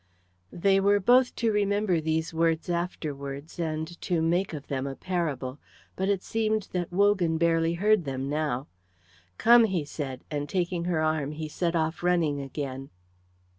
They were both to remember these words afterwards and to make of them a parable, but it seemed that Wogan barely heard them now. "Come!" he said, and taking her arm he set off running again.